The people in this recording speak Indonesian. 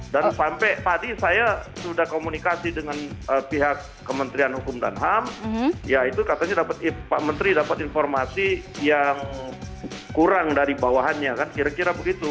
dan sampai tadi saya sudah komunikasi dengan pihak kementerian hukum dan ham ya itu katanya pak menteri dapat informasi yang kurang dari bawahannya kira kira begitu